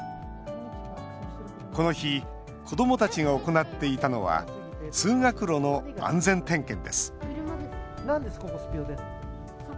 この日子どもたちが行っていたのは通学路の安全点検です。